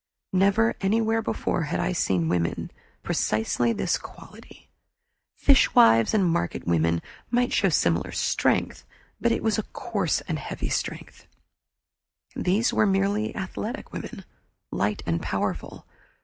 Never, anywhere before, had I seen women of precisely this quality. Fishwives and market women might show similar strength, but it was coarse and heavy. These were merely athletic light and powerful.